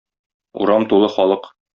Урам тулы халык.